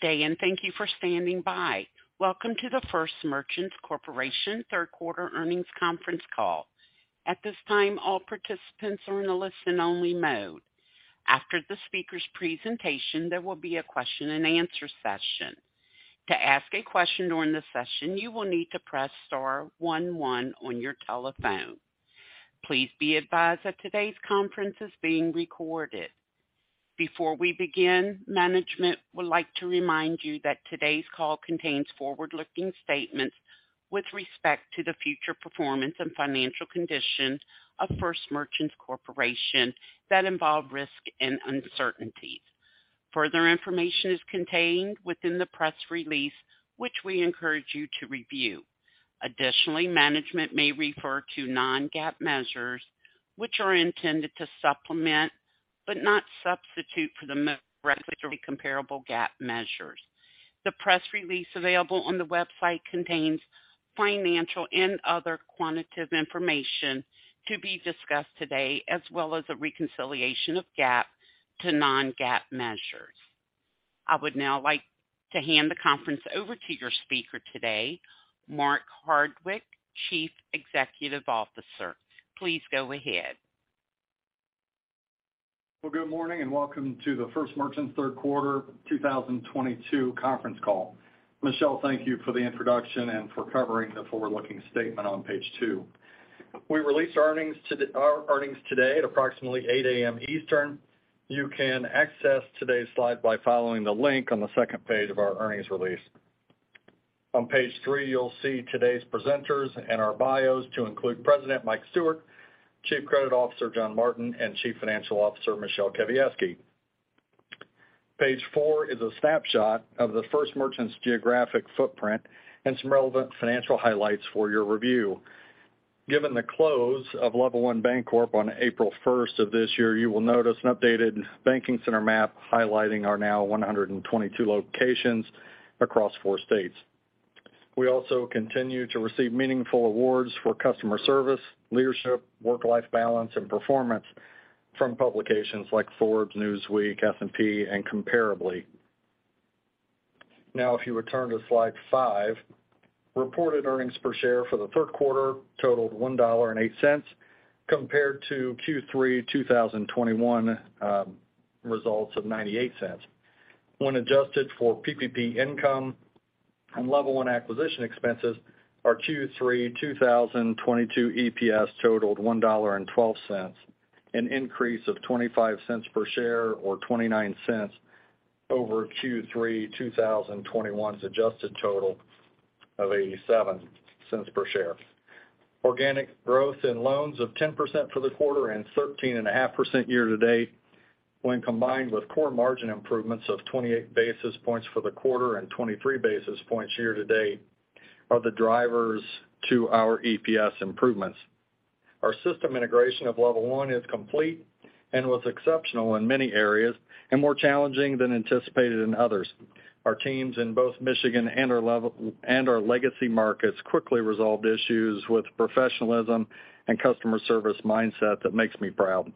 Good day, and thank you for standing by. Welcome to the First Merchants Corporation Q3 Earnings Conference Call. At this time, all participants are in a listen-only mode. After the speaker's presentation, there will be a question-and-answer session. To ask a question during the session, you will need to press star one one on your telephone. Please be advised that today's conference is being recorded. Before we begin, management would like to remind you that today's call contains forward-looking statements with respect to the future performance and financial condition of First Merchants Corporation that involve risk and uncertainties. Further information is contained within the press release, which we encourage you to review. Additionally, management may refer to non-GAAP measures, which are intended to supplement but not substitute for the most directly comparable GAAP measures. The press release available on the website contains financial and other quantitative information to be discussed today, as well as a reconciliation of GAAP to non-GAAP measures. I would now like to hand the conference over to your speaker today, Mark Hardwick, Chief Executive Officer. Please go ahead. Well, good morning, and welcome to the First Merchants Q3 2022 Conference Call. Michele, thank you for the introduction and for covering the forward-looking statement on page two. We released our earnings today at approximately 8:00 A.M. Eastern. You can access today's slide by following the link on the second page of our earnings release. On page three, you'll see today's presenters and our bios to include President Mike Stewart, Chief Credit Officer John Martin, and Chief Financial Officer Michele Kawiecki. Page four is a snapshot of the First Merchants geographic footprint and some relevant financial highlights for your review. Given the close of Level One Bancorp on April 1st of this year, you will notice an updated banking center map highlighting our now 122 locations across four states. We also continue to receive meaningful awards for customer service, leadership, work-life balance, and performance from publications like Forbes, Newsweek, S&P, and Comparably. Now, if you return to slide five, reported earnings per share for the Q3 totaled $1.08 compared to Q3 2021 results of $0.98. When adjusted for PPP income and Level One acquisition expenses, our Q3 2022 EPS totaled $1.12, an increase of $0.25 per share or $0.29 over Q3 2021's adjusted total of $0.87 per share. Organic growth in loans of 10% for the quarter and 13.5% year to date, when combined with core margin improvements of 28 basis points for the quarter and 23 basis points year to date, are the drivers to our EPS improvements. Our system integration of Level One is complete and was exceptional in many areas and more challenging than anticipated in others. Our teams in both Michigan and our Level One and our legacy markets quickly resolved issues with professionalism and customer service mindset that makes me proud.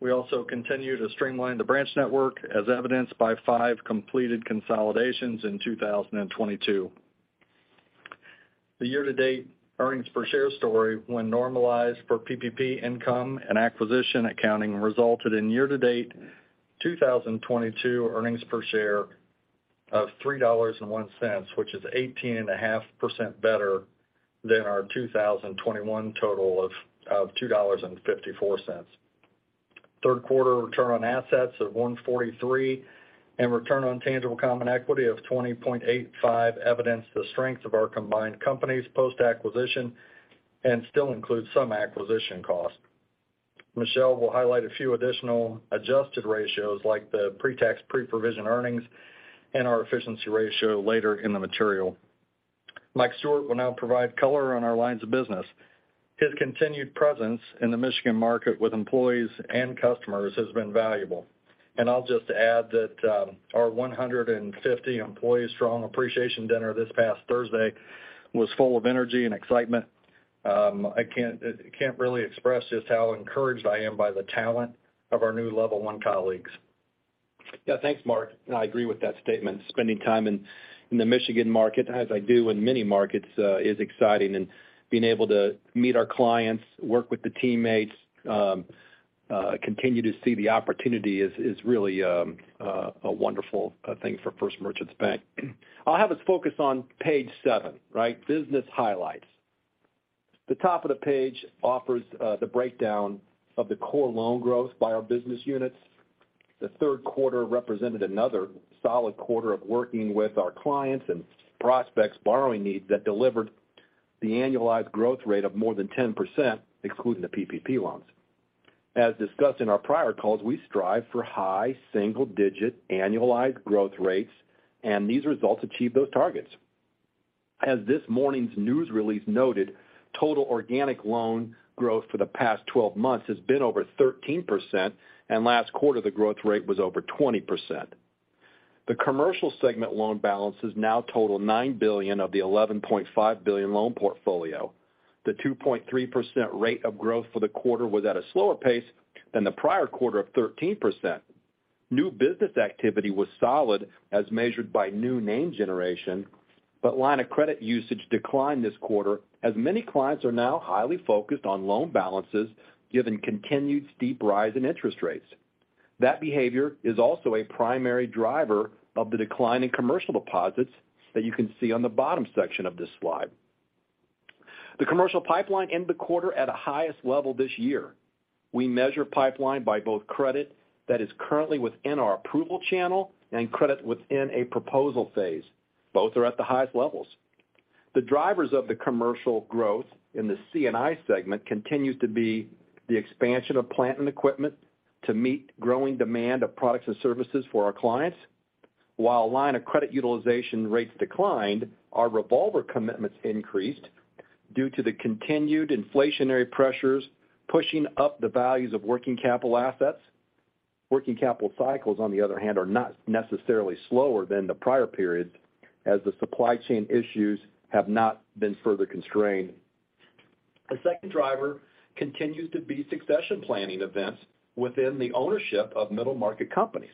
We also continue to streamline the branch network as evidenced by five completed consolidations in 2022. The year-to-date earnings per share story, when normalized for PPP income and acquisition accounting, resulted in year-to-date 2022 earnings per share of $3.01, which is 18.5% better than our 2021 total of $2.54. Q3 return on assets of 1.43% and return on tangible common equity of 20.85% evidence the strength of our combined companies post-acquisition and still includes some acquisition costs. Michele will highlight a few additional adjusted ratios like the pre-tax pre-provision earnings and our efficiency ratio later in the material. Mike Stewart will now provide color on our lines of business. His continued presence in the Michigan market with employees and customers has been valuable. I'll just add that, our 150 employee-strong appreciation dinner this past Thursday was full of energy and excitement. I can't really express just how encouraged I am by the talent of our new Level One colleagues. Yeah. Thanks, Mark, and I agree with that statement. Spending time in the Michigan market as I do in many markets is exciting. Being able to meet our clients, work with the teammates, continue to see the opportunity is really a wonderful thing for First Merchants Bank. I'll have us focus on page seven, right? Business highlights. The top of the page offers the breakdown of the core loan growth by our business units. The Q3 represented another solid quarter of working with our clients and prospects borrowing needs that delivered the annualized growth rate of more than 10%, excluding the PPP loans. As discussed in our prior calls, we strive for high single-digit annualized growth rates, and these results achieve those targets. As this morning's news release noted, total organic loan growth for the past 12 months has been over 13%, and last quarter, the growth rate was over 20%. The commercial segment loan balances now total $9 billion of the $11.5 billion loan portfolio. The 2.3% rate of growth for the quarter was at a slower pace than the prior quarter of 13%. New business activity was solid as measured by new name generation, but line of credit usage declined this quarter as many clients are now highly focused on loan balances given continued steep rise in interest rates. That behavior is also a primary driver of the decline in commercial deposits that you can see on the bottom section of this slide. The commercial pipeline ended the quarter at the highest level this year. We measure pipeline by both credit that is currently within our approval channel and credit within a proposal phase. Both are at the highest levels. The drivers of the commercial growth in the C&I segment continues to be the expansion of plant and equipment to meet growing demand of products and services for our clients. While line of credit utilization rates declined, our revolver commitments increased due to the continued inflationary pressures pushing up the values of working capital assets. Working capital cycles, on the other hand, are not necessarily slower than the prior periods, as the supply chain issues have not been further constrained. The second driver continues to be succession planning events within the ownership of middle market companies.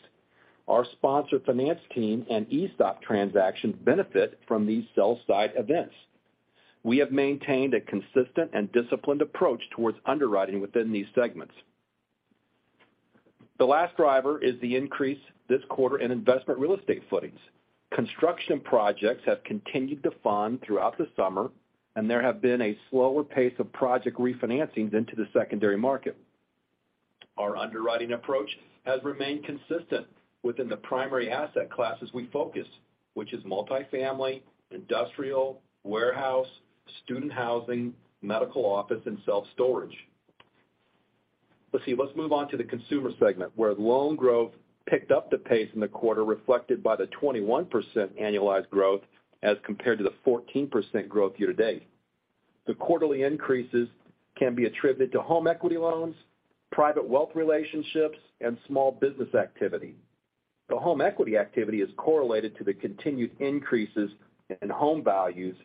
Our sponsor finance team and ESOP transactions benefit from these sell-side events. We have maintained a consistent and disciplined approach towards underwriting within these segments. The last driver is the increase this quarter in investment real estate footings. Construction projects have continued to fund throughout the summer, and there have been a slower pace of project refinancings into the secondary market. Our underwriting approach has remained consistent within the primary asset classes we focus, which is multifamily, industrial, warehouse, student housing, medical office and self-storage. Let's see, let's move on to the consumer segment, where loan growth picked up the pace in the quarter reflected by the 21% annualized growth as compared to the 14% growth year to date. The quarterly increases can be attributed to home equity loans, private wealth relationships, and small business activity. The home equity activity is correlated to the continued increases in home values,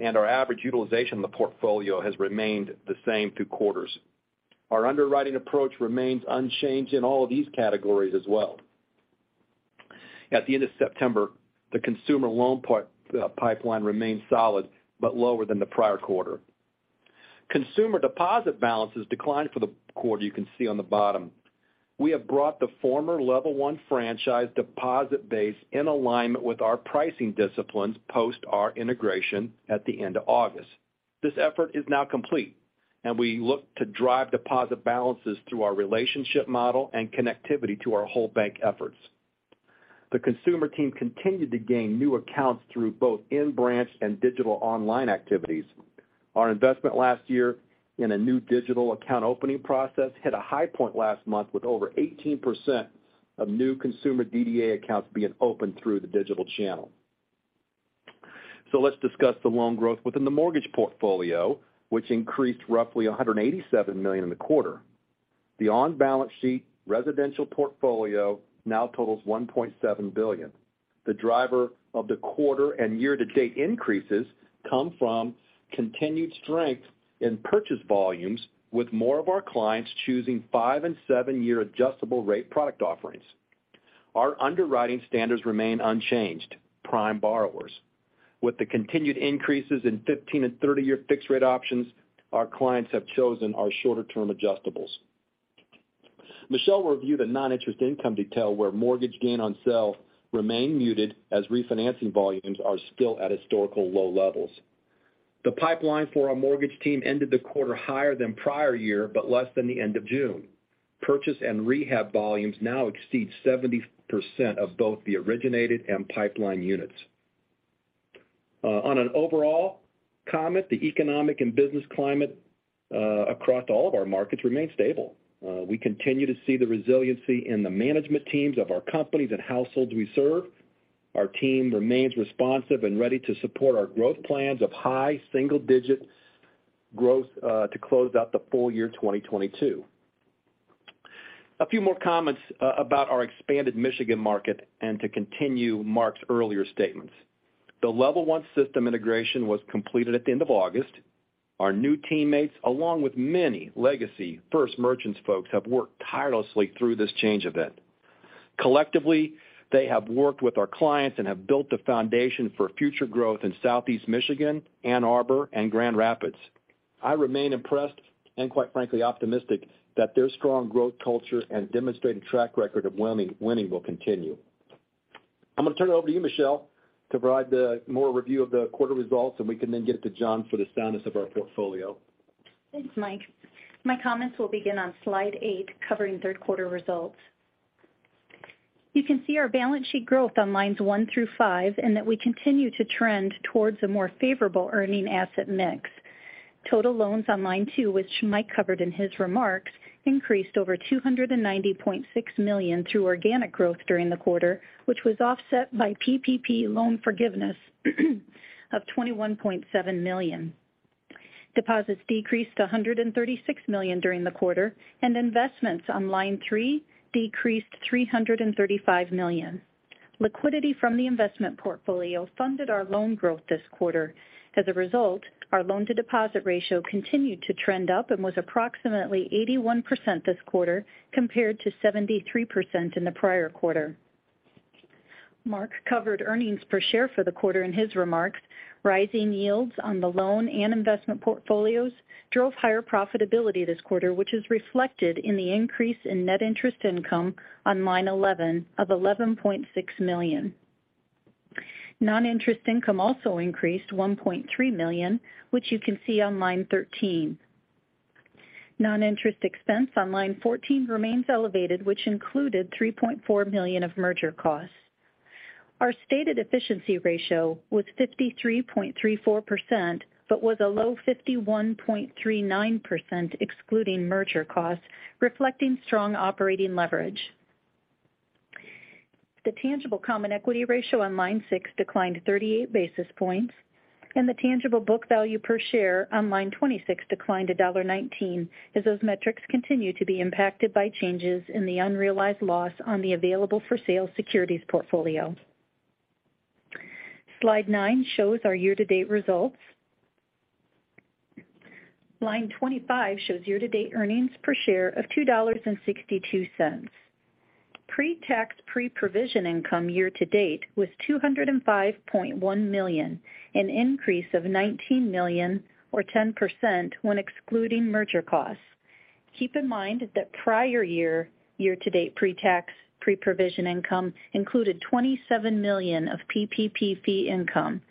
and our average utilization in the portfolio has remained the same two quarters. Our underwriting approach remains unchanged in all of these categories as well. At the end of September, the consumer loan pipeline remained solid but lower than the prior quarter. Consumer deposit balances declined for the quarter you can see on the bottom. We have brought the former Level One franchise deposit base in alignment with our pricing disciplines post our integration at the end of August. This effort is now complete, and we look to drive deposit balances through our relationship model and connectivity to our whole bank efforts. The consumer team continued to gain new accounts through both in-branch and digital online activities. Our investment last year in a new digital account opening process hit a high point last month with over 18% of new consumer DDA accounts being opened through the digital channel. Let's discuss the loan growth within the mortgage portfolio, which increased roughly $187 million in the quarter. The on-balance sheet residential portfolio now totals $1.7 billion. The driver of the quarter and year-to-date increases come from continued strength in purchase volumes with more of our clients choosing five and seven year adjustable rate product offerings. Our underwriting standards remain unchanged, prime borrowers. With the continued increases in 15 and 30 year fixed rate options, our clients have chosen our shorter-term adjustables. Michele will review the non-interest income detail where mortgage gain on sale remain muted as refinancing volumes are still at historical low levels. The pipeline for our mortgage team ended the quarter higher than prior year but less than the end of June. Purchase and rehab volumes now exceed 70% of both the originated and pipeline units. On an overall comment, the economic and business climate across all of our markets remain stable. We continue to see the resiliency in the management teams of our companies and households we serve. Our team remains responsive and ready to support our growth plans of high single digits growth to close out the full year 2022. A few more comments about our expanded Michigan market and to continue Mark's earlier statements. The Level One system integration was completed at the end of August. Our new teammates, along with many legacy First Merchants folks, have worked tirelessly through this change event. Collectively, they have worked with our clients and have built the foundation for future growth in Southeast Michigan, Ann Arbor, and Grand Rapids. I remain impressed and quite frankly, optimistic that their strong growth culture and demonstrated track record of winning will continue. I'm gonna turn it over to you, Michele, to provide a review of the quarter results, and we can then get it to John for the soundness of our portfolio. Thanks, Mike. My comments will begin on slide eight, covering Q3 results. You can see our balance sheet growth on lines one through five and that we continue to trend towards a more favorable earning asset mix. Total loans on line two, which Mike covered in his remarks, increased over $290.6 million through organic growth during the quarter, which was offset by PPP loan forgiveness of $21.7 million. Deposits decreased $136 million during the quarter, and investments on line three decreased $335 million. Liquidity from the investment portfolio funded our loan growth this quarter. As a result, our loan to deposit ratio continued to trend up and was approximately 81% this quarter compared to 73% in the prior quarter. Mark covered earnings per share for the quarter in his remarks. Rising yields on the loan and investment portfolios drove higher profitability this quarter, which is reflected in the increase in net interest income on line 11 of $11.6 million. Non-interest income also increased $1.3 million, which you can see on line 13. Non-interest expense on line 14 remains elevated, which included $3.4 million of merger costs. Our stated efficiency ratio was 53.34%, but was a low 51.39% excluding merger costs, reflecting strong operating leverage. The tangible common equity ratio on line six declined 38 basis points and the tangible book value per share on line 26 declined to $19 as those metrics continue to be impacted by changes in the unrealized loss on the available for sale securities portfolio. Slide nine shows our year-to-date results. Line 25 shows year-to-date earnings per share of $2.62. Pre-tax, pre-provision income year to date was $205.1 million, an increase of $19 million or 10% when excluding merger costs. Keep in mind that prior year-to-date pre-tax, pre-provision income included $27 million of PPP fee income.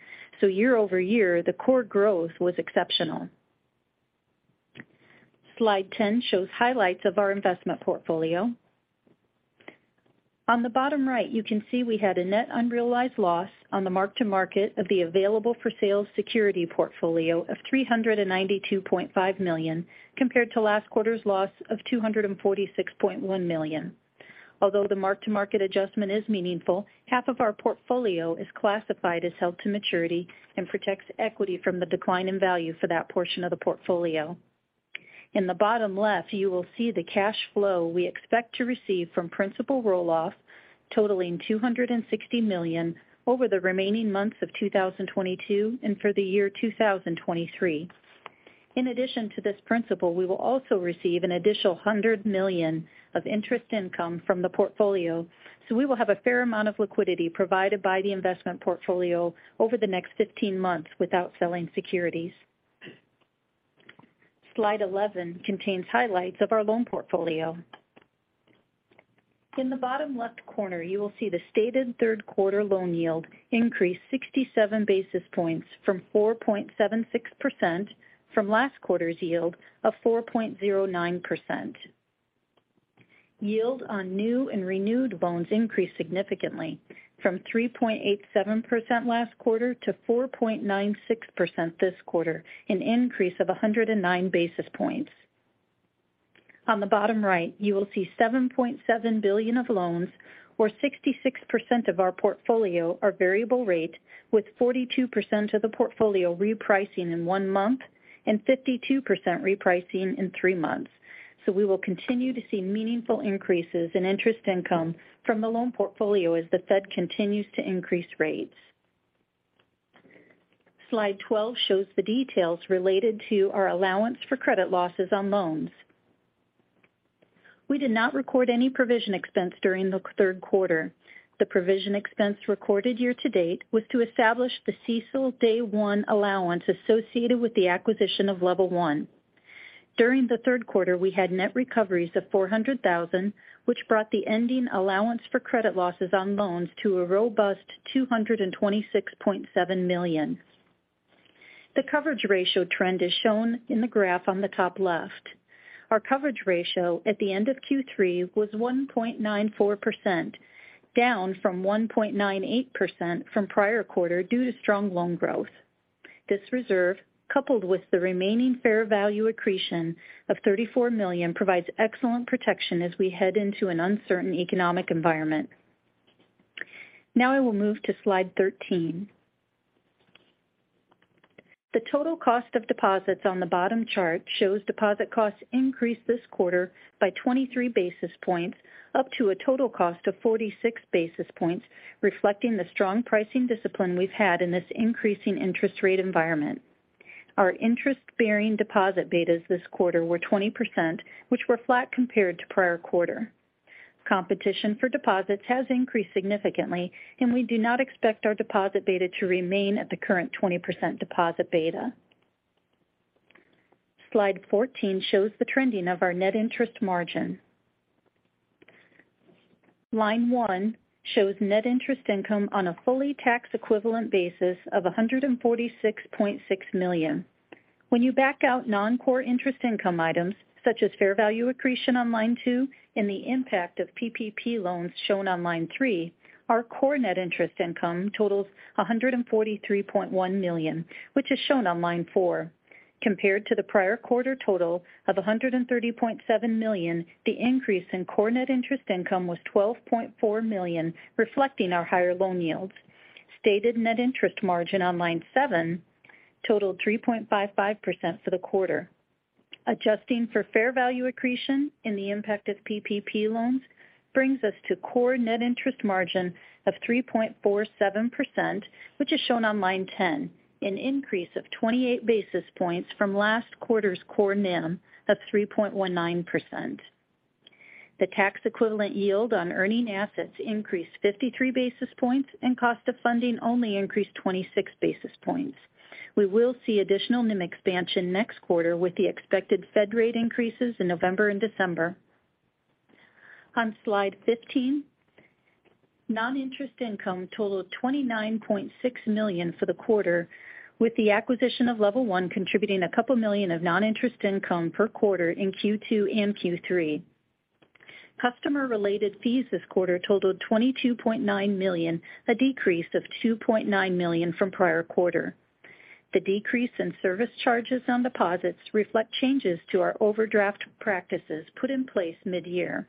Year-over-year, the core growth was exceptional. Slide 10 shows highlights of our investment portfolio. On the bottom right, you can see we had a net unrealized loss on the mark-to-market of the available for sale security portfolio of $392.5 million compared to last quarter's loss of $246.1 million. Although the mark-to-market adjustment is meaningful, half of our portfolio is classified as held to maturity and protects equity from the decline in value for that portion of the portfolio. In the bottom left, you will see the cash flow we expect to receive from principal roll-off totaling $260 million over the remaining months of 2022 and for the year 2023. In addition to this principal, we will also receive an additional $100 million of interest income from the portfolio, so we will have a fair amount of liquidity provided by the investment portfolio over the next 15 months without selling securities. Slide 11 contains highlights of our loan portfolio. In the bottom left corner, you will see the stated Q3 loan yield increased 67 basis points to 4.76% from last quarter's yield of 4.09%. Yield on new and renewed loans increased significantly from 3.87% last quarter to 4.96% this quarter, an increase of 109 basis points. On the bottom right, you will see $7.7 billion of loans or 66% of our portfolio are variable rate with 42% of the portfolio repricing in one month and 52% repricing in three months. We will continue to see meaningful increases in interest income from the loan portfolio as the Fed continues to increase rates. Slide 12 shows the details related to our allowance for credit losses on loans. We did not record any provision expense during the Q3. The provision expense recorded year to date was to establish the CECL day one allowance associated with the acquisition of Level One. During the Q3, we had net recoveries of $400,000, which brought the ending allowance for credit losses on loans to a robust $226.7 million. The coverage ratio trend is shown in the graph on the top left. Our coverage ratio at the end of Q3 was 1.94%, down from 1.98% from prior quarter due to strong loan growth. This reserve, coupled with the remaining fair value accretion of $34 million provides excellent protection as we head into an uncertain economic environment. Now I will move to slide 13. The total cost of deposits on the bottom chart shows deposit costs increased this quarter by 23 basis points, up to a total cost of 46 basis points, reflecting the strong pricing discipline we've had in this increasing interest rate environment. Our interest bearing deposit betas this quarter were 20%, which were flat compared to prior quarter. Competition for deposits has increased significantly, and we do not expect our deposit beta to remain at the current 20% deposit beta. Slide 14 shows the trending of our net interest margin. Line one shows net interest income on a fully tax equivalent basis of $146.6 million. When you back out non-core interest income items such as fair value accretion on line two and the impact of PPP loans shown on line three, our core net interest income totals $143.1 million, which is shown on line four. Compared to the prior quarter total of $130.7 million, the increase in core net interest income was $12.4 million, reflecting our higher loan yields. Stated net interest margin on line seven totaled 3.55% for the quarter. Adjusting for fair value accretion and the impact of PPP loans brings us to core net interest margin of 3.47%, which is shown on line 10, an increase of 28 basis points from last quarter's core NIM of 3.19%. The tax equivalent yield on earning assets increased 53 basis points, and cost of funding only increased 26 basis points. We will see additional NIM expansion next quarter with the expected Fed rate increases in November and December. On slide 15, non-interest income totaled $29.6 million for the quarter, with the acquisition of Level One contributing a couple million of non-interest income per quarter in Q2 and Q3. Customer-related fees this quarter totaled $22.9 million, a decrease of $2.9 million from prior quarter. The decrease in service charges on deposits reflect changes to our overdraft practices put in place mid-year.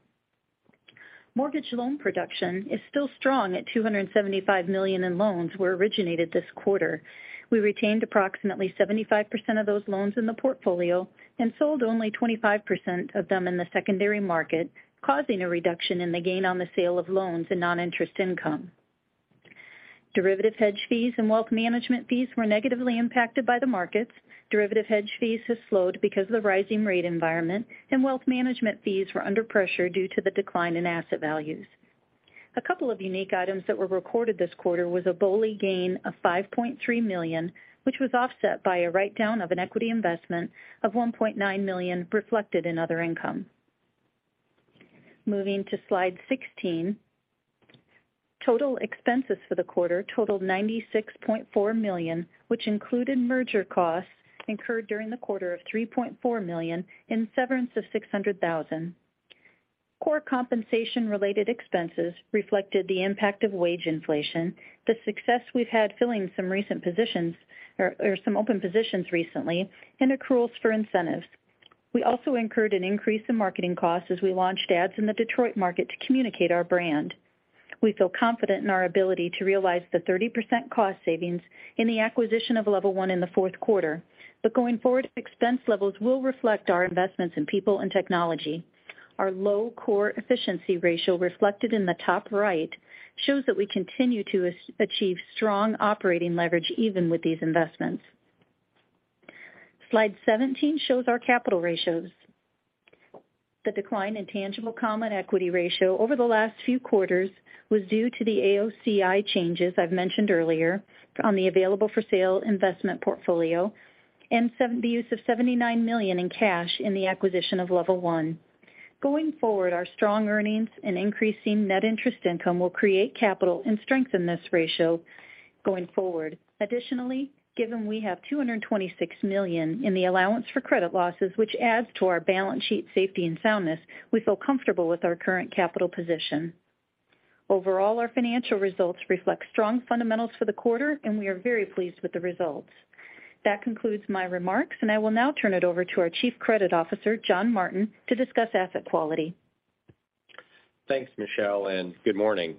Mortgage loan production is still strong at $275 million in loans originated this quarter. We retained approximately 75% of those loans in the portfolio and sold only 25% of them in the secondary market, causing a reduction in the gain on the sale of loans and non-interest income. Derivative hedge fees and wealth management fees were negatively impacted by the markets. Derivative hedge fees have slowed because of the rising rate environment, and wealth management fees were under pressure due to the decline in asset values. A couple of unique items that were recorded this quarter was a BOLI gain of $5.3 million, which was offset by a write-down of an equity investment of $1.9 million reflected in other income. Moving to slide 16. Total expenses for the quarter totaled $96.4 million, which included merger costs incurred during the quarter of $3.4 million and severance of $600,000. Core compensation related expenses reflected the impact of wage inflation, the success we've had filling some recent positions or some open positions recently, and accruals for incentives. We also incurred an increase in marketing costs as we launched ads in the Detroit market to communicate our brand. We feel confident in our ability to realize the 30% cost savings in the acquisition of Level One in the Q4. Going forward, expense levels will reflect our investments in people and technology. Our low core efficiency ratio reflected in the top right shows that we continue to achieve strong operating leverage even with these investments. Slide 17 shows our capital ratios. The decline in tangible common equity ratio over the last few quarters was due to the AOCI changes I've mentioned earlier on the available for sale investment portfolio and the use of $79 million in cash in the acquisition of Level One. Going forward, our strong earnings and increasing net interest income will create capital and strengthen this ratio going forward. Additionally, given we have $226 million in the allowance for credit losses, which adds to our balance sheet safety and soundness, we feel comfortable with our current capital position. Overall, our financial results reflect strong fundamentals for the quarter, and we are very pleased with the results. That concludes my remarks, and I will now turn it over to our Chief Credit Officer, John Martin, to discuss asset quality. Thanks, Michele, and good morning.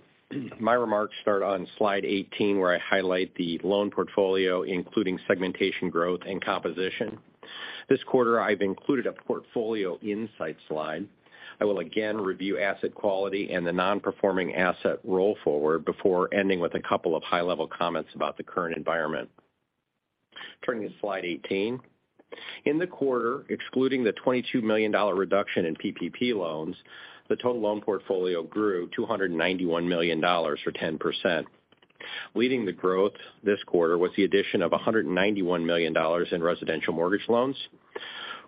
My remarks start on slide 18, where I highlight the loan portfolio, including segmentation growth and composition. This quarter, I've included a portfolio insight slide. I will again review asset quality and the non-performing asset roll forward before ending with a couple of high-level comments about the current environment. Turning to slide 18. In the quarter, excluding the $22 million reduction in PPP loans, the total loan portfolio grew $291 million or 10%. Leading the growth this quarter was the addition of $191 million in residential mortgage loans.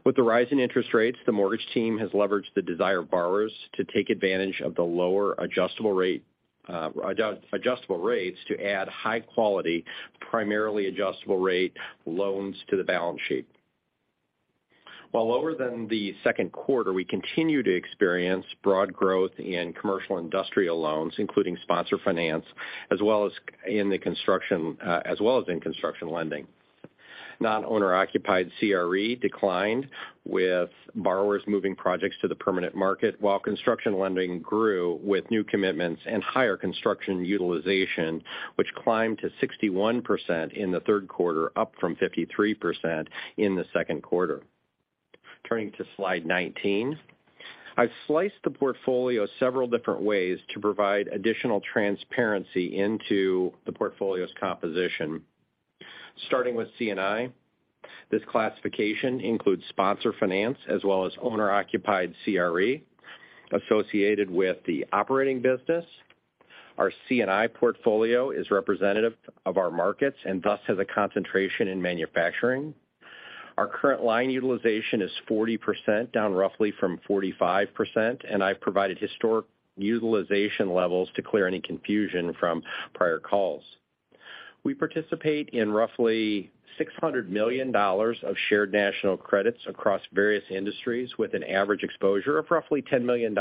With the rise in interest rates, the mortgage team has leveraged the desire of borrowers to take advantage of the lower adjustable rate, adjustable rates to add high quality, primarily adjustable rate loans to the balance sheet. While lower than the Q2, we continue to experience broad growth in commercial industrial loans, including sponsor finance, as well as in construction lending. Non-owner occupied CRE declined, with borrowers moving projects to the permanent market while construction lending grew with new commitments and higher construction utilization, which climbed to 61% in the Q3, up from 53% in the Q2. Turning to slide 19. I've sliced the portfolio several different ways to provide additional transparency into the portfolio's composition. Starting with C&I. This classification includes sponsor finance as well as owner-occupied CRE associated with the operating business. Our C&I portfolio is representative of our markets and thus has a concentration in manufacturing. Our current line utilization is 40%, down roughly from 45%, and I've provided historic utilization levels to clear any confusion from prior calls. We participate in roughly $600 million of Shared National Credits across various industries with an average exposure of roughly $10 million.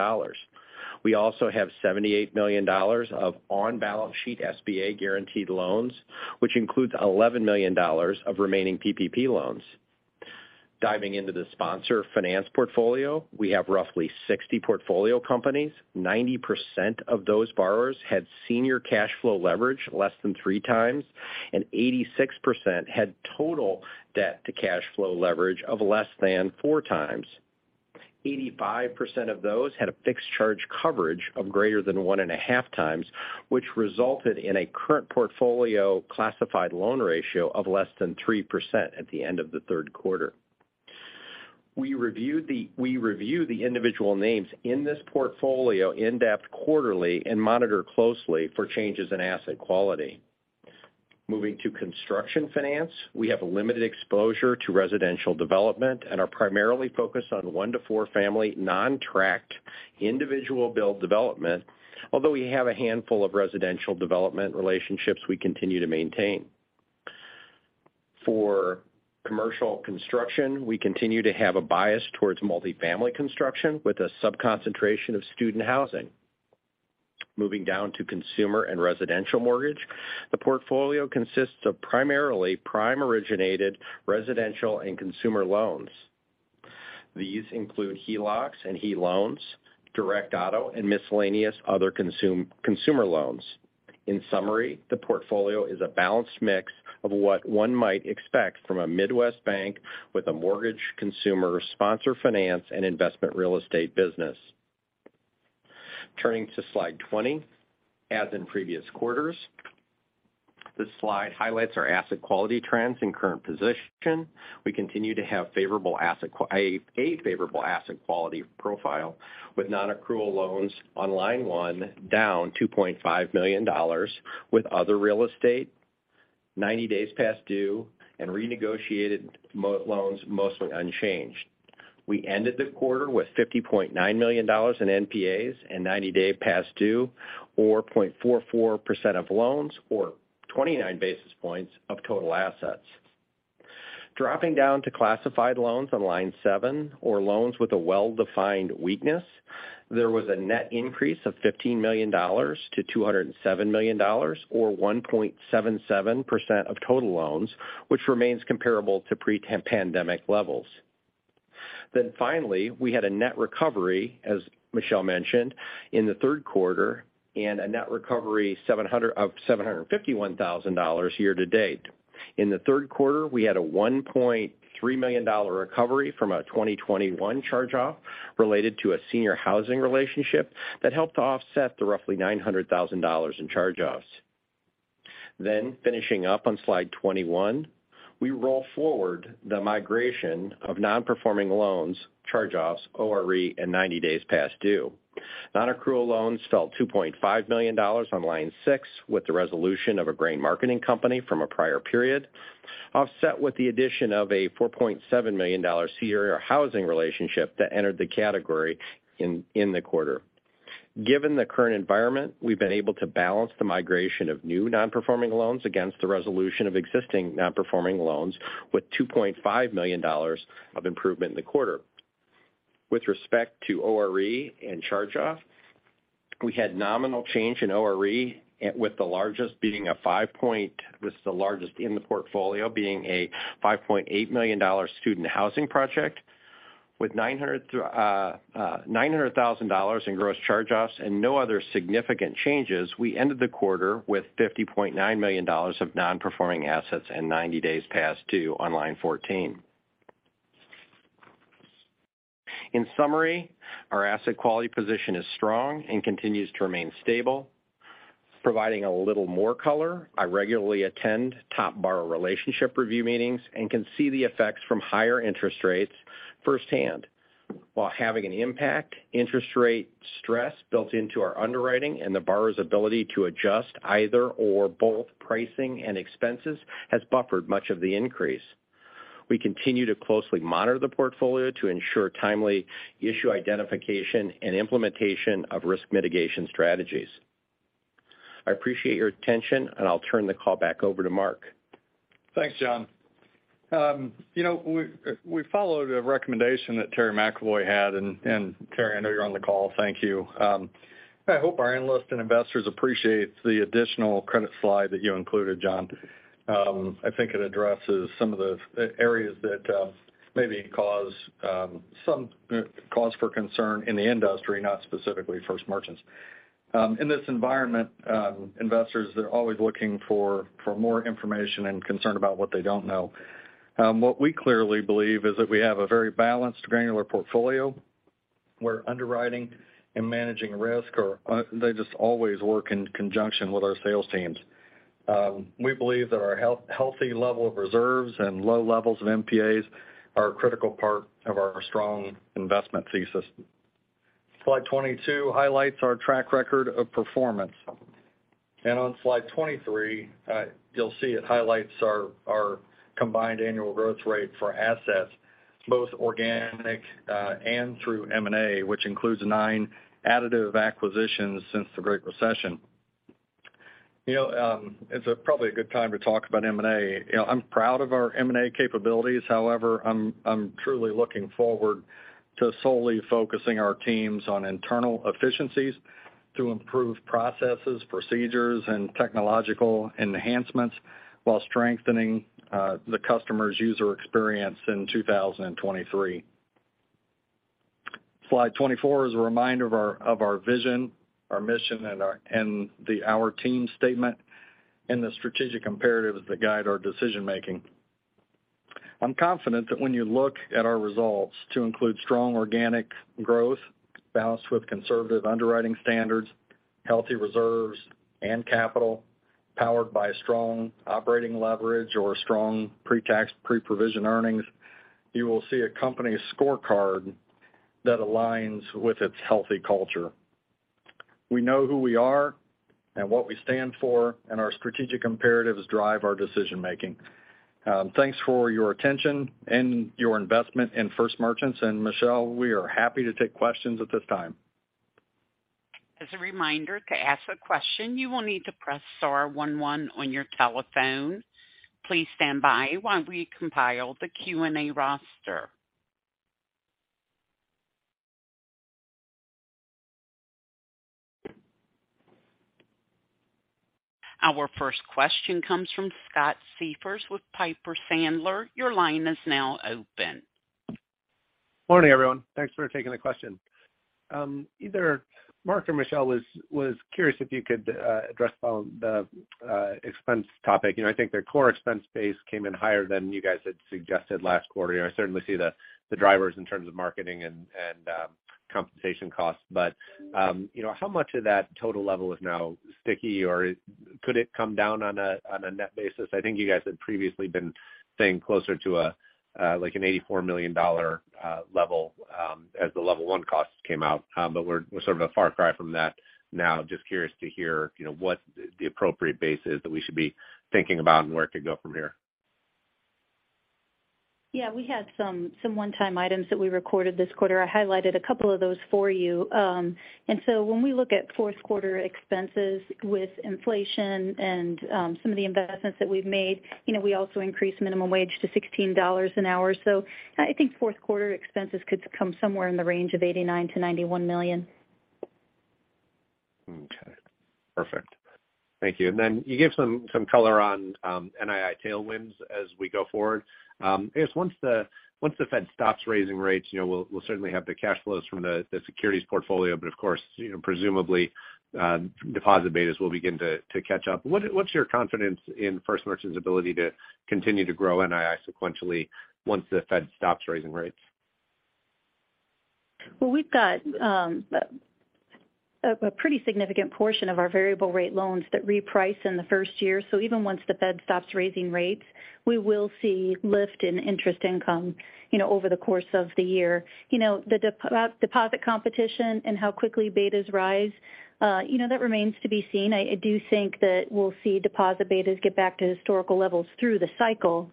We also have $78 million of on-balance sheet SBA guaranteed loans, which includes $11 million of remaining PPP loans. Diving into the Sponsor Finance portfolio, we have roughly 60 portfolio companies. 90% of those borrowers had senior cash flow leverage less than 3x, and 86% had total debt to cash flow leverage of less than 4x. 85% of those had a fixed charge coverage of greater than 1.5x, which resulted in a current portfolio classified loan ratio of less than 3% at the end of the Q3. We review the individual names in this portfolio in-depth quarterly and monitor closely for changes in asset quality. Moving to construction finance, we have a limited exposure to residential development and are primarily focused on 1-4 family non-tract individual build development, although we have a handful of residential development relationships we continue to maintain. For commercial construction, we continue to have a bias towards multifamily construction with a sub-concentration of student housing. Moving down to consumer and residential mortgage, the portfolio consists of primarily prime-originated residential and consumer loans. These include HELOCs and HE loans, direct auto, and miscellaneous other consumer loans. In summary, the portfolio is a balanced mix of what one might expect from a Midwest bank with a mortgage, consumer, sponsor finance, and investment real estate business. Turning to slide 20. As in previous quarters, this slide highlights our asset quality trends and current position. We continue to have favorable asset quality profile with non-accrual loans on line one down $2.5 million with other real estate 90 days past due and renegotiated modified loans mostly unchanged. We ended the quarter with $50.9 million in NPAs and 90 day past due, or 0.44% of loans or 29 basis points of total assets. Dropping down to classified loans on line seven or loans with a well-defined weakness, there was a net increase of $15 million-$207 million or 1.77% of total loans, which remains comparable to pre-pandemic levels. Finally, we had a net recovery, as Michele mentioned, in the Q3 and a net recovery of $751,000 year to date. In the Q3, we had a $1.3 million recovery from a 2021 charge-off related to a senior housing relationship that helped to offset the roughly $900,000 in charge-offs. Finishing up on slide 21, we roll forward the migration of non-performing loans, charge-offs, ORE, and 90 days past due. Non-accrual loans fell $2.5 million on line six with the resolution of a grain marketing company from a prior period, offset with the addition of a $4.7 million senior housing relationship that entered the category in the quarter. Given the current environment, we've been able to balance the migration of new non-performing loans against the resolution of existing non-performing loans with $2.5 million of improvement in the quarter. With respect to ORE and charge-off, we had nominal change in ORE, with the largest in the portfolio being a $5.8 million student housing project. With $900,000 in gross charge-offs and no other significant changes, we ended the quarter with $50.9 million of non-performing assets and 90 days past due on line 14. In summary, our asset quality position is strong and continues to remain stable. Providing a little more color, I regularly attend top borrower relationship review meetings and can see the effects from higher interest rates firsthand. While having an impact, interest rate stress built into our underwriting and the borrower's ability to adjust either or both pricing and expenses has buffered much of the increase. We continue to closely monitor the portfolio to ensure timely issue identification and implementation of risk mitigation strategies. I appreciate your attention, and I'll turn the call back over to Mark. Thanks, John. You know, we've followed a recommendation that Terry McEvoy had, and Terry, I know you're on the call. Thank you. I hope our analysts and investors appreciate the additional credit slide that you included, John. I think it addresses some of the areas that maybe some cause for concern in the industry, not specifically First Merchants. In this environment, investors are always looking for more information and concerned about what they don't know. What we clearly believe is that we have a very balanced granular portfolio, where underwriting and managing risk are, they just always work in conjunction with our sales teams. We believe that our healthy level of reserves and low levels of NPAs are a critical part of our strong investment thesis. Slide 22 highlights our track record of performance. On slide 23, you'll see it highlights our combined annual growth rate for assets, both organic and through M&A, which includes nine additive acquisitions since the Great Recession. It's probably a good time to talk about M&A. I'm proud of our M&A capabilities. However, I'm truly looking forward to solely focusing our teams on internal efficiencies to improve processes, procedures, and technological enhancements while strengthening the customer's user experience in 2023. Slide 24 is a reminder of our vision, our mission, and our team statement and the strategic imperatives that guide our decision-making. I'm confident that when you look at our results to include strong organic growth balanced with conservative underwriting standards, healthy reserves and capital powered by strong operating leverage or strong pre-tax, pre-provision earnings, you will see a company scorecard that aligns with its healthy culture. We know who we are and what we stand for, and our strategic imperatives drive our decision-making. Thanks for your attention and your investment in First Merchants. Michelle, we are happy to take questions at this time. As a reminder, to ask a question, you will need to press star one one on your telephone. Please stand by while we compile the Q&A roster. Our first question comes from Scott Siefers with Piper Sandler. Your line is now open. Morning, everyone. Thanks for taking the question. Either Mark or Michele was curious if you could address the expense topic. You know, I think their core expense base came in higher than you guys had suggested last quarter. You know, I certainly see the drivers in terms of marketing and compensation costs. You know, how much of that total level is now sticky or could it come down on a net basis? I think you guys had previously been saying closer to a like an $84 million level as the Level One costs came out. We're sort of a far cry from that now. Just curious to hear, you know, what the appropriate base is that we should be thinking about and where it could go from here. Yeah, we had some one-time items that we recorded this quarter. I highlighted a couple of those for you. And so when we look at Q4 expenses with inflation and, some of the investments that we've made, you know, we also increased minimum wage to $16 an hour. I think Q4 expenses could come somewhere in the range of $89 million-$91 million. Okay. Perfect. Thank you. Then can you give some color on NII tailwinds as we go forward? I guess once the Fed stops raising rates, you know, we'll certainly have the cash flows from the securities portfolio, but of course, you know, presumably, deposit betas will begin to catch up. What's your confidence in First Merchants's ability to continue to grow NII sequentially once the Fed stops raising rates? Well, we've got a pretty significant portion of our variable rate loans that reprice in the first year. Even once the Fed stops raising rates, we will see lift in interest income, you know, over the course of the year. You know, the deposit competition and how quickly betas rise, you know, that remains to be seen. I do think that we'll see deposit betas get back to historical levels through the cycle.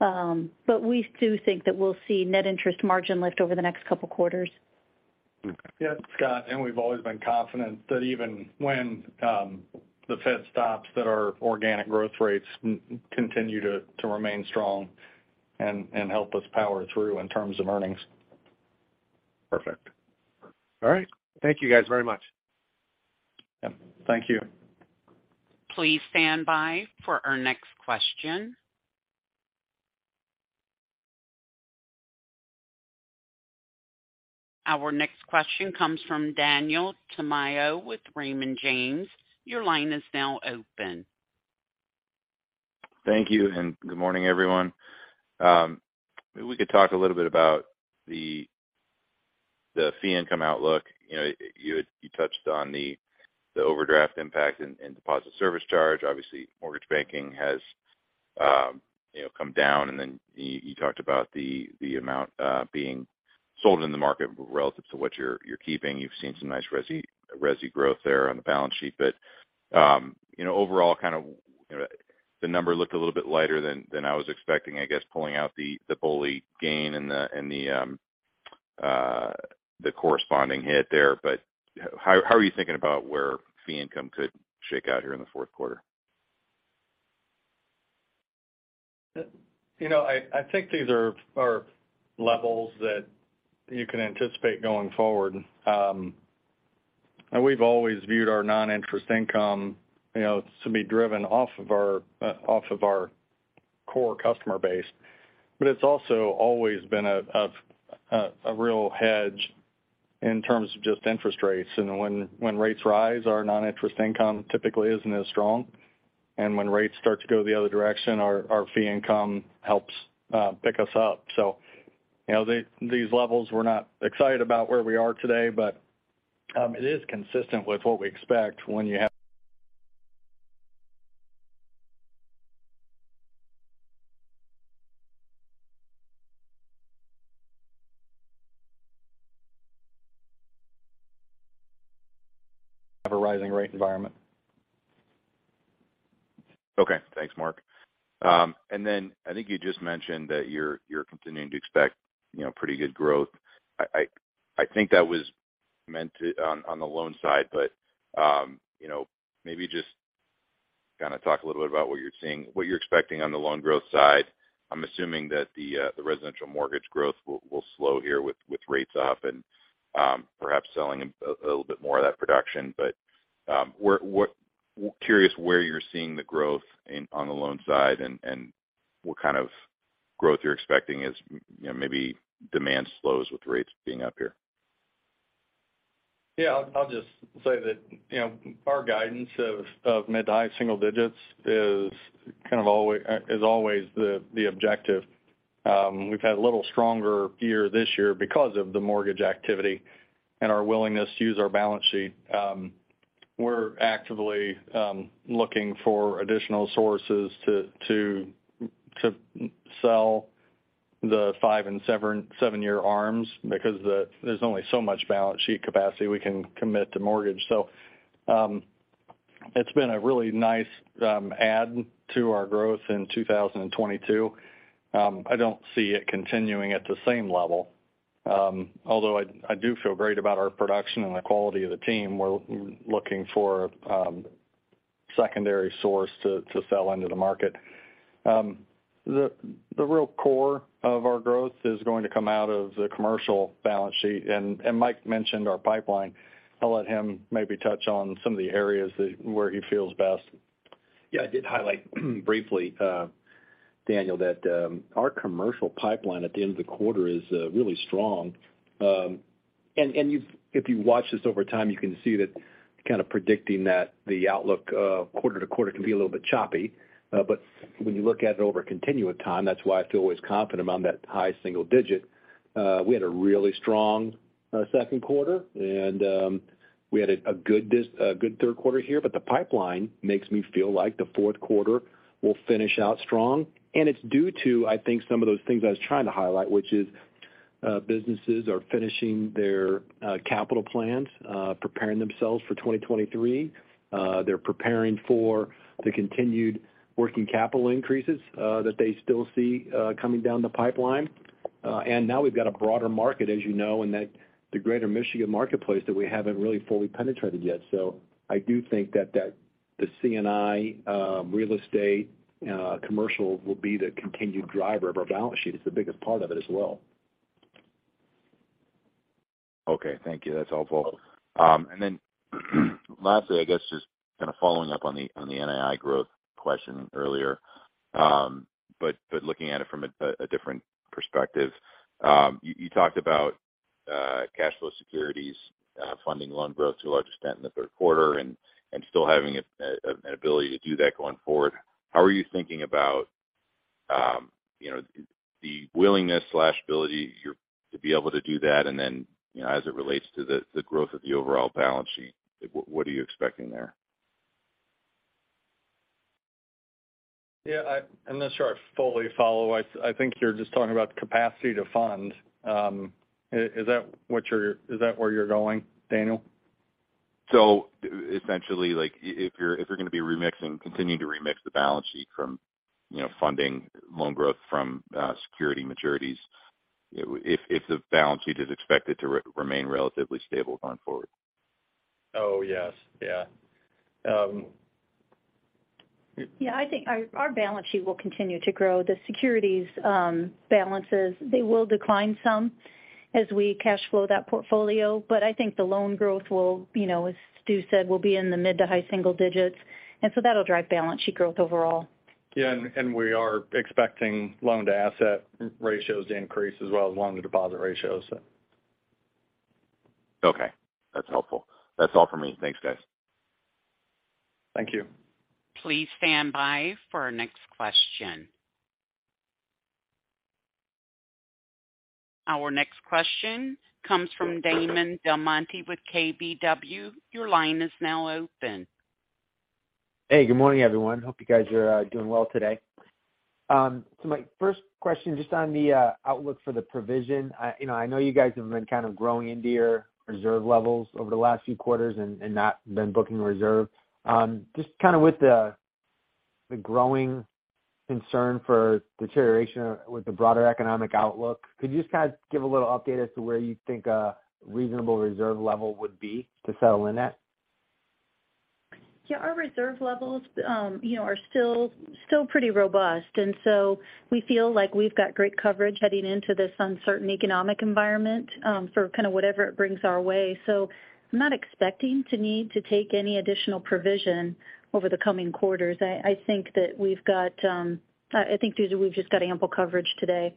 We do think that we'll see net interest margin lift over the next couple quarters. Okay. Yeah, Scott Siefers, we've always been confident that even when the Fed stops, that our organic growth rates continue to remain strong and help us power through in terms of earnings. Perfect. All right. Thank you guys very much. Yeah. Thank you. Please stand by for our next question. Our next question comes from Daniel Tamayo with Raymond James. Your line is now open. Thank you, and good morning, everyone. If we could talk a little bit about the fee income outlook. You know, you touched on the overdraft impact and deposit service charge. Obviously, mortgage banking has, you know, come down. Then you talked about the amount being sold in the market relative to what you're keeping. You've seen some nice resi growth there on the balance sheet. You know, overall kind of, you know, the number looked a little bit lighter than I was expecting, I guess, pulling out the BOLI gain and the corresponding hit there. How are you thinking about where fee income could shake out here in the Q4? You know, I think these are levels that you can anticipate going forward. We've always viewed our non-interest income, you know, to be driven off of our core customer base. It's also always been a real hedge in terms of just interest rates. When rates rise, our non-interest income typically isn't as strong. When rates start to go the other direction, our fee income helps pick us up. You know, these levels we're not excited about where we are today, but it is consistent with what we expect when you have a rising rate environment. Okay. Thanks, Mark. Then I think you just mentioned that you're continuing to expect, you know, pretty good growth. I think that was meant on the loan side, but you know, maybe just kind of talk a little bit about what you're seeing, what you're expecting on the loan growth side. I'm assuming that the residential mortgage growth will slow here with rates up and perhaps selling a little bit more of that production. We are curious where you're seeing the growth on the loan side and what kind of growth you're expecting as, you know, maybe demand slows with rates being up here. Yeah, I'll just say that, you know, our guidance of mid to high single digits is kind of always the objective. We've had a little stronger year this year because of the mortgage activity and our willingness to use our balance sheet. We're actively looking for additional sources to sell the five and seven year ARMs because there's only so much balance sheet capacity we can commit to mortgage. So, it's been a really nice add to our growth in 2022. I don't see it continuing at the same level. Although I do feel great about our production and the quality of the team, we're looking for secondary source to sell into the market. The real core of our growth is going to come out of the commercial balance sheet. Mike mentioned our pipeline. I'll let him maybe touch on some of the areas where he feels best. Yeah, I did highlight briefly, Daniel, that our commercial pipeline at the end of the quarter is really strong. If you watch this over time, you can see that kind of predicting that the outlook quarter to quarter can be a little bit choppy. When you look at it over a continuum of time, that's why I feel always confident I'm on that high single digit. We had a really strong Q2, and we had a good Q3 here. The pipeline makes me feel like the Q4 will finish out strong. It's due to, I think, some of those things I was trying to highlight, which is businesses are finishing their capital plans, preparing themselves for 2023. They're preparing for the continued working capital increases that they still see coming down the pipeline. Now we've got a broader market, as you know, in that the Greater Michigan marketplace that we haven't really fully penetrated yet. I do think that the C&I real estate commercial will be the continued driver of our balance sheet. It's the biggest part of it as well. Okay. Thank you. That's helpful. And then lastly, I guess, just kind of following up on the NII growth question earlier, but looking at it from a different perspective. You talked about cash flow securities funding loan growth to a large extent in the Q3 and still having an ability to do that going forward. How are you thinking about you know the willingness or ability to be able to do that? And then, as it relates to the growth of the overall balance sheet, like what are you expecting there? Yeah, I'm not sure I fully follow. I think you're just talking about capacity to fund. Is that where you're going, Daniel? Essentially, like if you're gonna be remixing, continuing to remix the balance sheet from, you know, funding loan growth from security maturities, if the balance sheet is expected to remain relatively stable going forward. Oh, yes. Yeah. I think our balance sheet will continue to grow. The securities balances, they will decline some as we cash flow that portfolio. I think the loan growth will, you know, as Stu said, will be in the mid- to high-single digits, and so that'll drive balance sheet growth overall. We are expecting loan-to-asset ratios to increase as well as loan-to-deposit ratios. Okay. That's helpful. That's all for me. Thanks, guys. Thank you. Please stand by for our next question. Our next question comes from Damon DelMonte with KBW. Your line is now open. Hey, good morning, everyone. Hope you guys are doing well today. My first question, just on the outlook for the provision. You know, I know you guys have been kind of growing into your reserve levels over the last few quarters and not been booking reserve. Just kind of with the growing concern for deterioration with the broader economic outlook, could you just kind of give a little update as to where you think a reasonable reserve level would be to settle in at? Yeah. Our reserve levels, you know, are still pretty robust, and so we feel like we've got great coverage heading into this uncertain economic environment, for kind of whatever it brings our way. I'm not expecting to need to take any additional provision over the coming quarters. I think that we've got, I think we've just got ample coverage today.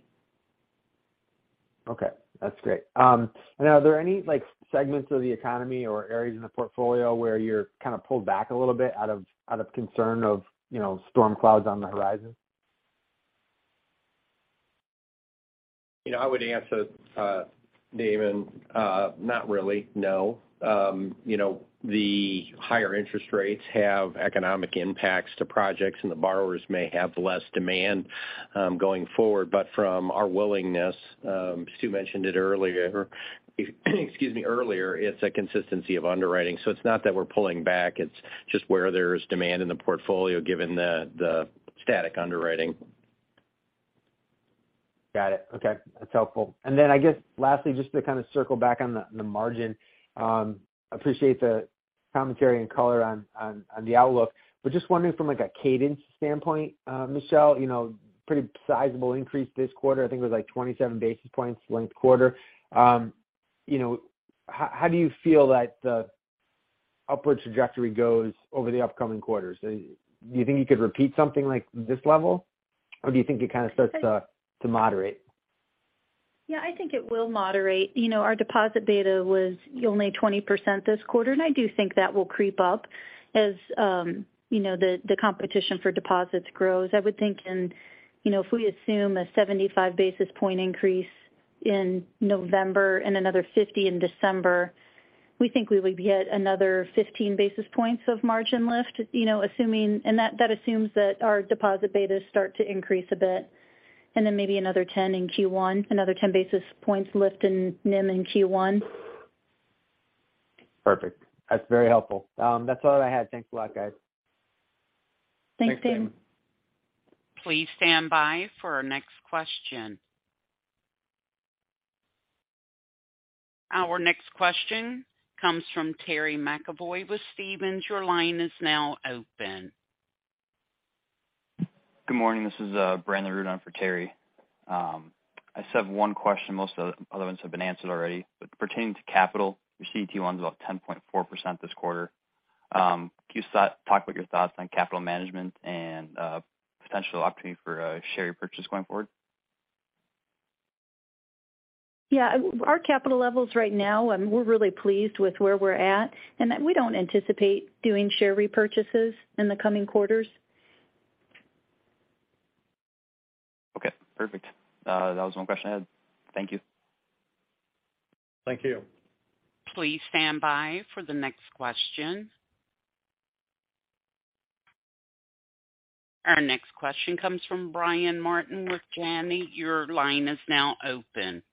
Okay, that's great. Are there any like, segments of the economy or areas in the portfolio where you're kind of pulled back a little bit out of concern for, you know, storm clouds on the horizon? You know, I would answer, Damon, not really, no. You know, the higher interest rates have economic impacts to projects, and the borrowers may have less demand going forward. From our willingness, Stu mentioned it earlier, it's a consistency of underwriting. It's not that we're pulling back. It's just where there's demand in the portfolio, given the static underwriting. Got it. Okay. That's helpful. I guess lastly, just to kind of circle back on the margin. Appreciate the commentary and color on the outlook. Just wondering from like a cadence standpoint, Michele, you know, pretty sizable increase this quarter. I think it was like 27 basis points linked quarter. You know, how do you feel that the upward trajectory goes over the upcoming quarters. Do you think you could repeat something like this level? Or do you think it kind of starts to moderate? Yeah, I think it will moderate. You know, our deposit beta was only 20% this quarter, and I do think that will creep up as, you know, the competition for deposits grows. I would think, you know, if we assume a 75 basis point increase in November and another 50 in December, we think we would get another 15 basis points of margin lift, you know, assuming that our deposit betas start to increase a bit. Then maybe another 10 in Q1, another 10 basis points lift in NIM in Q1. Perfect. That's very helpful. That's all I had. Thanks a lot, guys. Thanks, Damon. Thanks Damon. Please stand by for our next question. Our next question comes from Terry McEvoy with Stephens. Your line is now open. Good morning. This is Brandon Rudin on for Terry. I just have one question. Most of the other ones have been answered already. Pertaining to capital, your CET1 is up 10.4% this quarter. Can you talk about your thoughts on capital management and potential opportunity for a share repurchase going forward? Yeah. Our capital levels right now, and we're really pleased with where we're at, and that we don't anticipate doing share repurchases in the coming quarters. Okay, perfect. That was the only question I had. Thank you. Thank you. Please stand by for the next question. Our next question comes from Brian Martin with Janney. Your line is now open.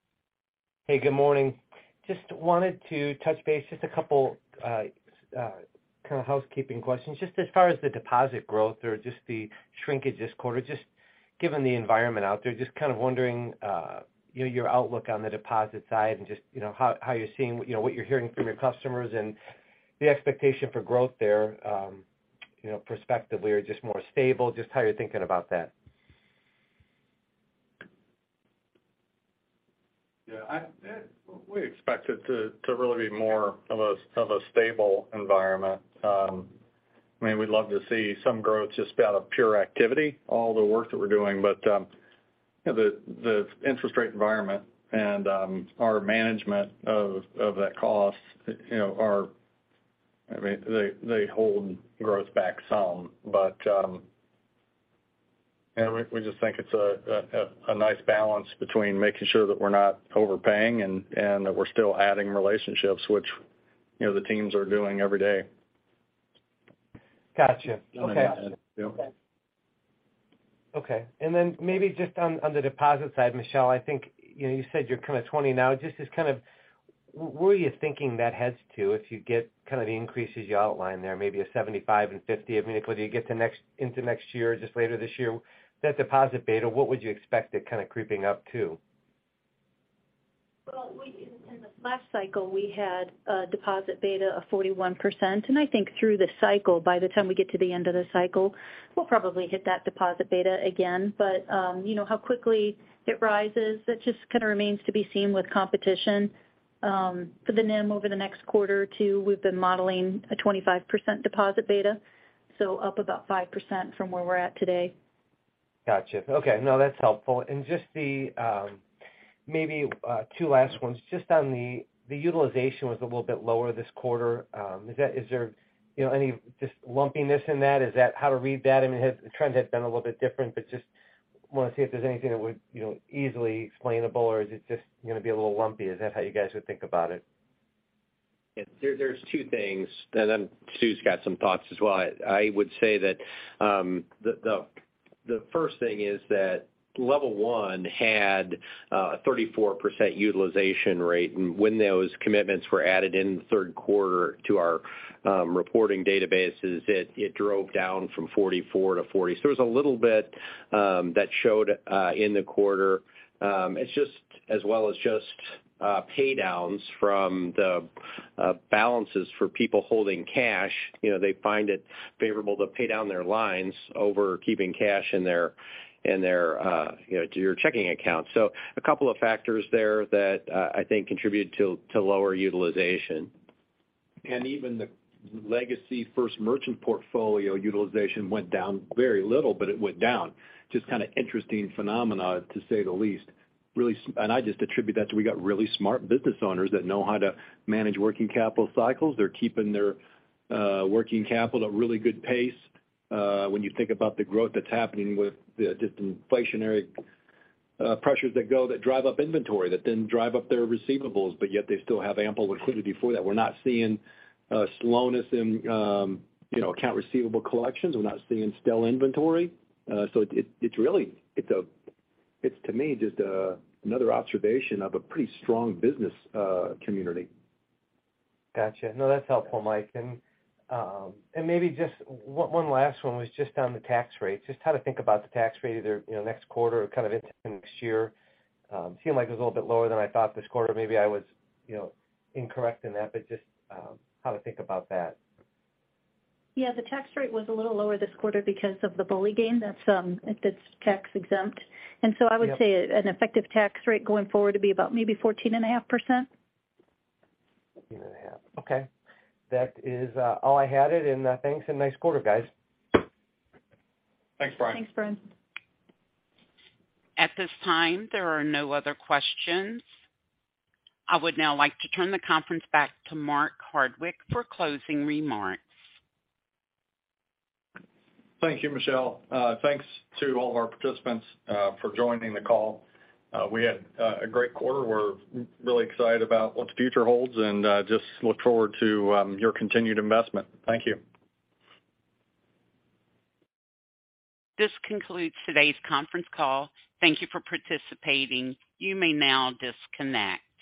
Hey, good morning. Just wanted to touch base, just a couple kind of housekeeping questions. Just as far as the deposit growth or just the shrinkage this quarter, just given the environment out there, just kind of wondering, you know, your outlook on the deposit side and just, you know, how you're seeing, you know, what you're hearing from your customers and the expectation for growth there, you know, prospectively or just more stable, just how you're thinking about that. Yeah, we expect it to really be more of a stable environment. I mean, we'd love to see some growth just out of pure activity, all the work that we're doing. The interest rate environment and our management of that cost, you know, I mean, they hold growth back some. You know, we just think it's a nice balance between making sure that we're not overpaying and that we're still adding relationships, which, you know, the teams are doing every day. Gotcha. Okay. Anything to add, Mike Stewart? Okay. Then maybe just on the deposit side, Michele, I think, you know, you said you're kind of 20 now. Just as kind of where are you thinking that heads to if you get kind of the increases you outlined there, maybe a 75 and 50, I mean, whether you get to into next year or just later this year, that deposit beta, what would you expect it kind of creeping up to? Well, in the last cycle, we had a deposit beta of 41%. I think through the cycle, by the time we get to the end of the cycle, we'll probably hit that deposit beta again. You know, how quickly it rises, that just kinda remains to be seen with competition. For the NIM over the next quarter or two, we've been modeling a 25% deposit beta, so up about 5% from where we're at today. Gotcha. Okay. No, that's helpful. Just the maybe two last ones. Just on the utilization was a little bit lower this quarter. Is there, you know, any just lumpiness in that? Is that how to read that? I mean, the trend has been a little bit different, but just wanna see if there's anything that would, you know, easily explainable or is it just gonna be a little lumpy? Is that how you guys would think about it? There's two things, and then Stu's got some thoughts as well. I would say that the first thing is that Level One had a 34% utilization rate, and when those commitments were added in the Q3 to our reporting databases, it drove down from 44% to 40%. So there's a little bit that showed in the quarter. It's just as well as pay downs from the balances for people holding cash. You know, they find it favorable to pay down their lines over keeping cash in their checking account. So a couple of factors there that I think contributed to lower utilization. Even the legacy First Merchants portfolio utilization went down very little, but it went down. Just kind of interesting phenomenon, to say the least. I just attribute that to we got really smart business owners that know how to manage working capital cycles. They're keeping their working capital at a really good pace. When you think about the growth that's happening with the just inflationary pressures that drive up inventory, that then drive up their receivables, but yet they still have ample liquidity for that. We're not seeing a slowness in, you know, accounts receivable collections. We're not seeing still inventory. So it's really, to me, just another observation of a pretty strong business community. Gotcha. No, that's helpful, Mike. Maybe just one last one was just on the tax rate, just how to think about the tax rate either, you know, next quarter or kind of into next year. Seemed like it was a little bit lower than I thought this quarter. Maybe I was, you know, incorrect in that, but just how to think about that. Yeah, the tax rate was a little lower this quarter because of the BOLI gain. That's, it's tax-exempt. Yep. I would say an effective tax rate going forward to be about maybe 14.5%. 14.5. Okay. That is all I had it. Thanks and nice quarter, guys. Thanks, Brian. Thanks, Brian. At this time, there are no other questions. I would now like to turn the conference back to Mark Hardwick for closing remarks. Thank you, Michelle. Thanks to all of our participants for joining the call. We had a great quarter. We're really excited about what the future holds and just look forward to your continued investment. Thank you. This concludes today's conference call. Thank you for participating. You may now disconnect.